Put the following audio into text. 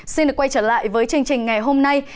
xin được quay trở lại với chương trình ngày hôm nay